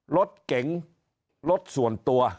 รถเก๋งรถส่วนตัว